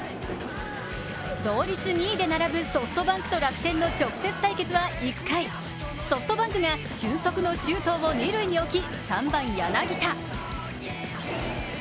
同率２位で並ぶソフトバンクと楽天の直接対決は１回、ソフトバンクが俊足の周東を置き３番・柳田。